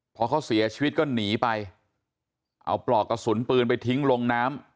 พอเขาเสียชีวิตก็หนีไปเอาปลอกกระสุนปืนไปทิ้งลงน้ำ